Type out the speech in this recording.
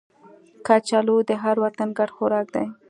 کچالو د هر وطن ګډ خوراک دی